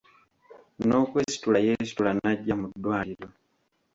N’okwesitula yeesitula n’ajja mu ddwaliro.